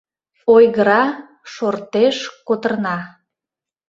Ойгыра, шортеш «котырна».